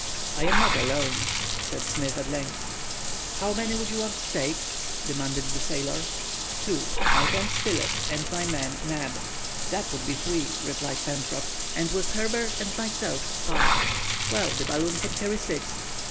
"I am not alone," said Smith at length. "How many would you want to take?" demanded the sailor. "Two; my friend Spilett, and my man Neb." "That would be three," replied Pencroff; "and, with Herbert and myself, five. Well, the balloon can carry six?"